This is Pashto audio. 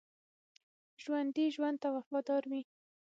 ژوندي ژوند ته وفادار وي